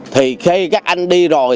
thì khi các anh đi rồi